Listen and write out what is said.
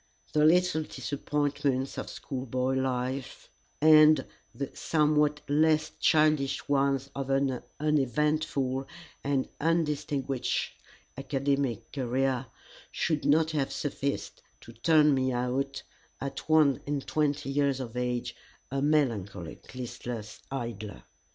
The little disappointments of schoolboy life, and the somewhat less childish ones of an uneventful and undistinguished academic career, should not have sufficed to turn me out at one and twenty years of age a melancholic, listless idler.